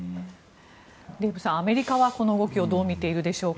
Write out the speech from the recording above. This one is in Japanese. デーブさん、アメリカはこの動きをどう見ているでしょうか？